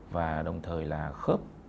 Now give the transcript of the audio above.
và đồng thời là khớp